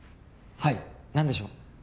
はい何でしょう？